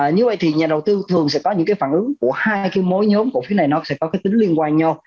như vậy thì nhà đầu tư thường sẽ có những phản ứng của hai mối nhóm cổ phiếu này nó sẽ có tính liên quan nhau